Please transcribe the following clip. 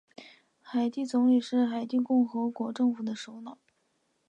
海地总理是海地共和国政府的首脑。